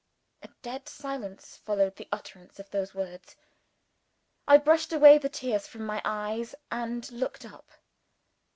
A dead silence followed the utterance of those words. I brushed away the tears from my eyes, and looked up.